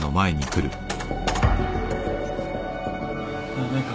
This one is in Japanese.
駄目か。